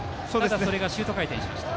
それがシュート回転しました。